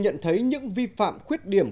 nhận thấy những vi phạm khuyết điểm